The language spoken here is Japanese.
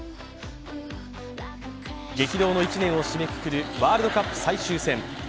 激動の１年を締めくくるワールドカップ最終戦。